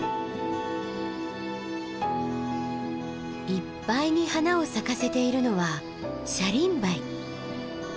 いっぱいに花を咲かせているのはシャリンバイ。